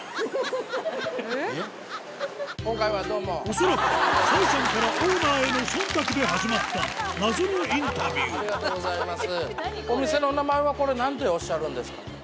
恐らくサイさんからオーナーへの忖度で始まった謎のインタビューありがとうございます。